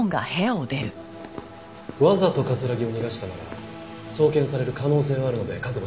わざと木を逃がしたなら送検される可能性はあるので覚悟しておいてください。